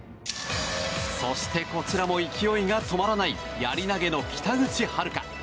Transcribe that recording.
そして、こちらも勢いが止まらないやり投げの北口榛花。